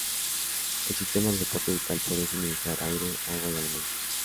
El sistema de soporte vital puede suministrar aire, agua y alimentos.